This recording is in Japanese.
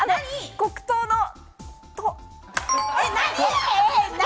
黒糖のと。